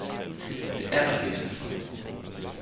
Det allerbedste for dig